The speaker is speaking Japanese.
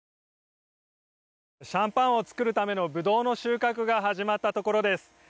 シャンパンを作るためのブドウの収穫が始まったところです。